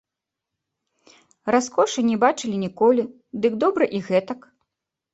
Раскошы не бачылі ніколі, дык добра і гэтак.